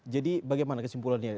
jadi bagaimana kesimpulannya